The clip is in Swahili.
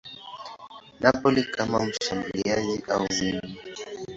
Napoli kama mshambuliaji au winga.